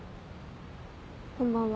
こんばんは。